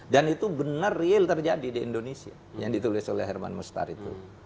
dan itu benar real terjadi di indonesia yang ditulis oleh herman mustar itu